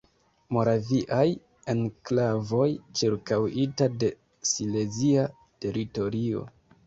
Moraviaj enklavoj ĉirkaŭita de silezia teritorio.